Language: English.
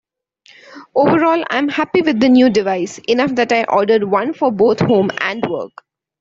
Overall I'm happy with the new device, enough that I ordered one for both home and work.